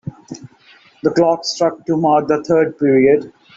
The clock struck to mark the third period.